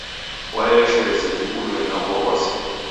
Waeleshere seji ulue na ugho w'asi.